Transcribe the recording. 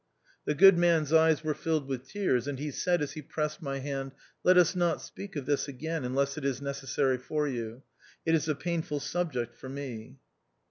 The good man's eyes were filled with tears, and he said as he pressed my hand ;" Let us not speak of this again, unless it is necessary for you. It is a painful subject for me."